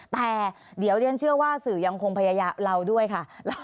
แต่เดี๋ยวเรียนเชื่อว่าสื่อยังคงพยายามเราด้วยค่ะ